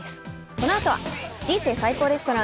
このあとは、「人生最高レストラン」。